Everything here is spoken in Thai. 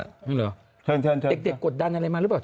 เด็กกดดันอะไรมาล่ะ